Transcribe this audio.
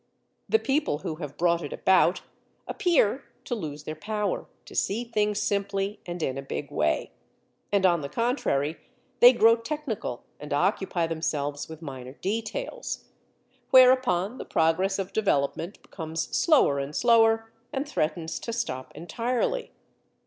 The people who have brought it about appear to lose their power to see things simply and in a big way; and, on the contrary, they grow technical and occupy themselves with minor details. Whereupon the progress of development becomes slower and slower, and threatens to stop entirely.